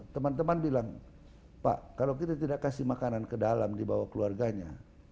teman teman bilang pak kalau kita tidak kasih makanan ke dalam dibawa keluarganya